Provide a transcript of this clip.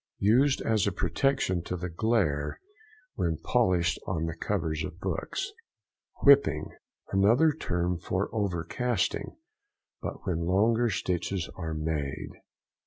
—Used as a protection to the glaire when polished on the covers of books. WHIPPING.—Another term for overcasting, but when longer stitches are made.